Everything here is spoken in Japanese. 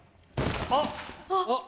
あっ。